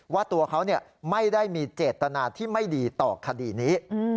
ว่าตัวเขาไม่ได้มีเจตนาที่ไม่ดีต่อคดีนี้